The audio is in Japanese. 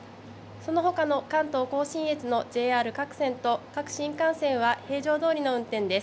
そのほかの関東甲信越のＪＲ各線と、各新幹線は平常どおりの運転です。